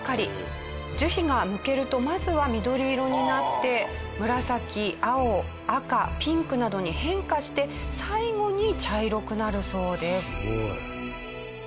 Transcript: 樹皮が剥けるとまずは緑色になって紫青赤ピンクなどに変化して最後に茶色くなるそうです。